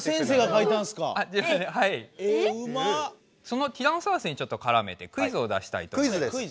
そのティラノサウルスにちょっとからめてクイズを出したいと思います。